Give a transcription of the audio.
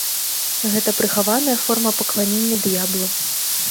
Гэта прыхаваная форма пакланення д'яблу!